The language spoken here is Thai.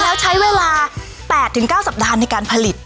แล้วใช้เวลา๘๙สัปดาห์ในการผลิต